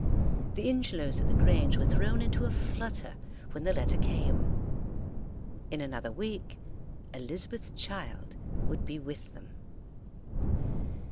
The Ingelows at the Grange were thrown into a flutter when the letter came. In another week Elizabeth's child would be with them.